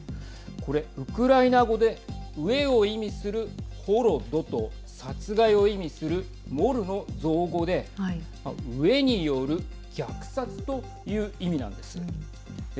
これ、ウクライナ語で飢えを意味するホロドと殺害を意味するモルの造語で飢えによる虐殺という意味なんです。